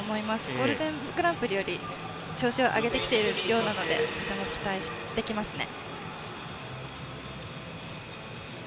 ゴールデングランプリより調子を上げてきているようなのでとても期待できますね。